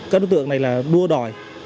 các đối tượng này là đua đòi